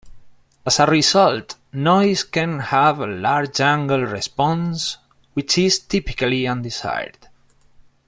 As a result noise can have a large angle response which is typically undesired.